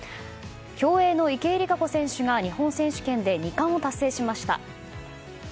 競泳の池江璃花子選手が日本選手権で２冠を達成しました。